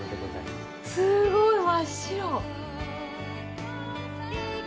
すごい真っ白！